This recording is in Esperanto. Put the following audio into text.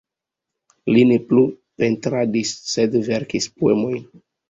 Li ne plu pentradis, sed verkis poemojn.